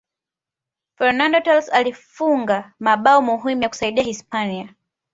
fernando torres alifunga mabao muhimu ya kuisaidia hispania